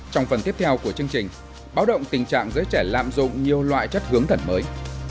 trong phần tiếp theo của chương trình báo động tình trạng giới trẻ lạm dụng nhiều loại chất hướng thần mới